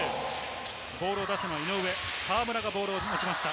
ボールを出すのは井上、河村がボールを持ちました。